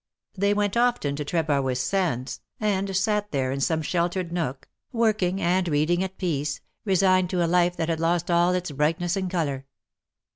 They went often to Trebarwith Sands^ and sat there in some sheltered nook, working and reading at peace^ resigned to a life that had lost all its brightness and colour.